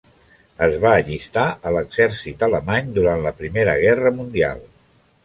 Es va allistar en l'exèrcit alemany durant la Primera Guerra mundial.